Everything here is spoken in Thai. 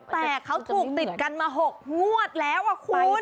แต่เขาถูกติดกันมา๖งวดแล้วคุณ